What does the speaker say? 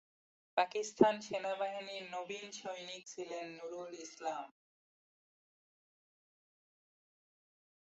পাকিস্তান সেনাবাহিনীর নবীন সৈনিক ছিলেন নূরুল ইসলাম।